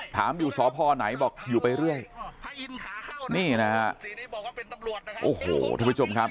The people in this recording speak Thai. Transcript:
ถามอยู่สพไหนบอกอยู่ไปเรื่อยนี่นะฮะโอ้โหทุกผู้ชมครับ